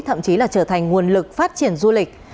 thậm chí là trở thành nguồn lực phát triển du lịch